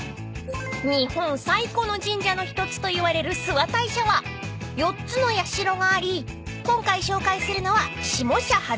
［日本最古の神社の一つといわれる諏訪大社は４つの社があり今回紹介するのは］